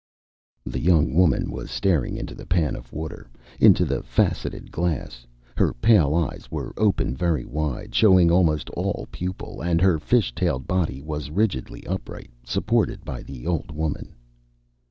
The young woman was staring into the pan of water, into the faceted glass. Her pale eyes were open very wide, showing almost all pupil, and her fish tailed body was rigidly upright, supported by the old woman.